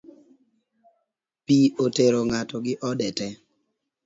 Pi otero ng’ato gi ode tee